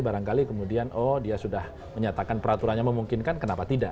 barangkali kemudian oh dia sudah menyatakan peraturannya memungkinkan kenapa tidak